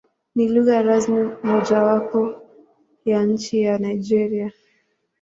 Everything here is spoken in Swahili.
Ni lugha rasmi mojawapo ya nchi ya Nigeria.